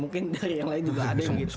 mungkin dari yang lain juga ada yang gitu